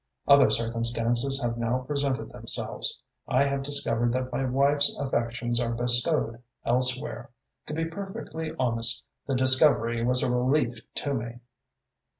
Other circumstances have now presented themselves. I have discovered that my wife's affections are bestowed elsewhere. To be perfectly honest, the discovery was a relief to me."